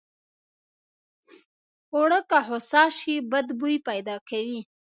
اوړه که خوسا شي بد بوي پیدا کوي